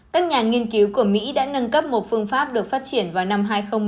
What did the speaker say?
các nhà nghiên cứu của mỹ đã nâng cấp một phương pháp được phát triển vào năm hai nghìn một mươi